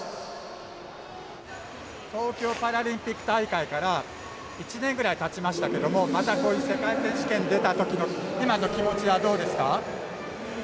東京パラリンピック大会から１年ぐらいたちましたけれどもまた、こういう世界選手権出たときの今の気持ちはどうですか？